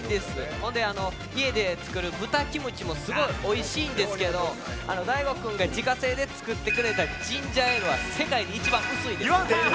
ほんで、家で作る豚キムチもすごいおいしいんですけど大吾君が自家製で作ってくれたジンジャーエールは世界で一番薄いです。